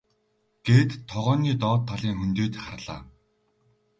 гээд тогооны доод талын хөндийд харлаа.